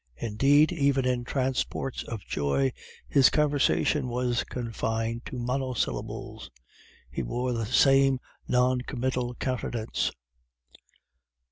Indeed, even in transports of joy, his conversation was confined to monosyllables; he wore the same non committal countenance.